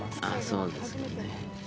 そうですよね。